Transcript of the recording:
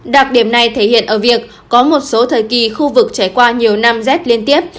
đặc điểm này thể hiện ở việc có một số thời kỳ khu vực trải qua nhiều năm rét liên tiếp